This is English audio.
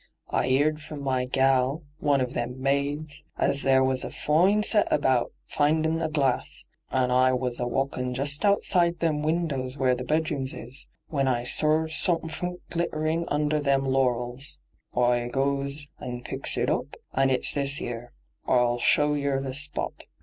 I 'eerd from my gal, one of them maids, as there was a foine set out about findin' a glass, an' oi was a walkin' just outside them windows where the bedrooms is, when oi sor suffint glitterin' under them laurels. Oi goes and picks it oop, and it's this 'ere. Oi'll show yer the spot.